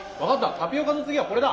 タピオカの次はこれだ！